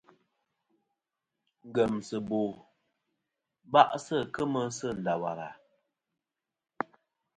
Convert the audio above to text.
Ngemsɨbo ba'sɨ kemɨ sɨ Ndawara.